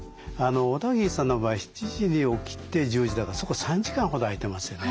小田切さんの場合７時に起きて１０時だからそこ３時間ほど空いてますよね。